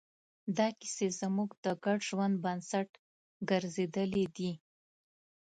دا کیسې زموږ د ګډ ژوند بنسټ ګرځېدلې دي.